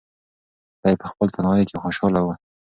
دی په خپل تنهایۍ کې خوشحاله و.